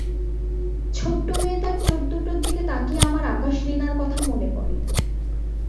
ছোট্ট মেয়েটার চোখ দুটোর দিকে তাকিয়ে আমার আকাশলীনার কথা মনে পড়ে।